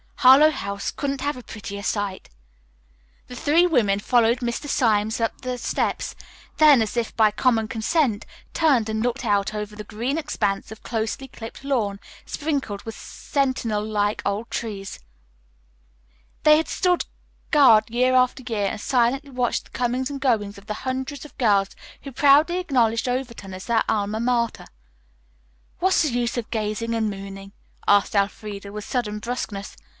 "Harlowe House couldn't have a prettier site." The three women followed Mr. Symes up the steps, then, as if by common consent, turned and looked out over the green expanse of closely clipped lawn, sprinkled with sentinel like old trees. They had stood guard year after year and silently watched the comings and goings of the hundreds of girls who proudly acknowledged Overton as their Alma Mater. "What's the use of gazing and mooning?" asked Elfreda, with sudden brusqueness.